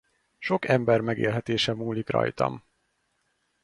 Sok ember megélhetése múlik rajtam.